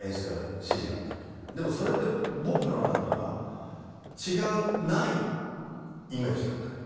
でもそれって僕の中には違うないイメージだったわけ。